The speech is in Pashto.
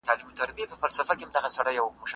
خپل داخلي توليدات د بهرنيو هغو په پرتله زيات وکاروئ.